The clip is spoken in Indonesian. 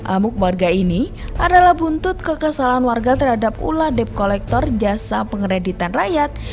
amuk warga ini adalah buntut kekesalan warga terhadap ulah dep kolektor jasa pengereditan rakyat